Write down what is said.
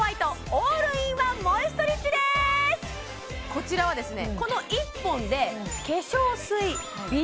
こちらはですね